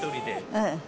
はい。